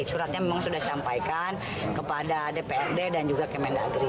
suratnya memang sudah disampaikan kepada dprd dan juga kemendagri